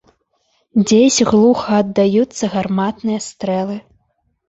Дзесь глуха аддаюцца гарматныя стрэлы.